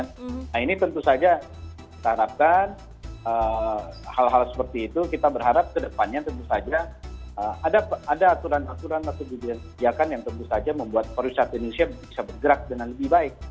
nah ini tentu saja kita harapkan hal hal seperti itu kita berharap ke depannya tentu saja ada aturan aturan atau kebijakan yang tentu saja membuat pariwisata indonesia bisa bergerak dengan lebih baik